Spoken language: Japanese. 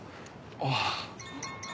ああ。